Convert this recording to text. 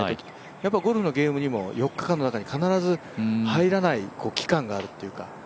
やっぱりゴルフのゲームにも４日間の中に必ず入らない期間があるというか。